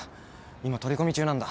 今取り込み中なんだ。